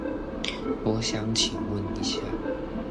我想請問一下